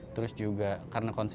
terus juga karena kontennya